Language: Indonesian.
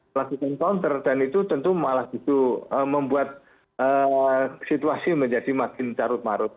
melakukan counter dan itu tentu malah justru membuat situasi menjadi makin carut marut